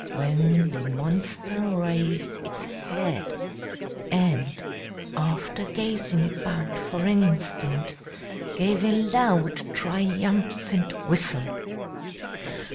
when the monster raised its head, and, after gazing about for an instant, gave a loud, triumphant whistle.